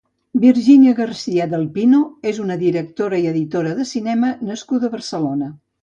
Virginia García del Pino és una directora i editora de cinema nascuda a Barcelona.